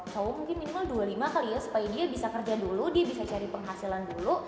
cowok mungkin minimal dua puluh lima kali ya supaya dia bisa kerja dulu dia bisa cari penghasilan dulu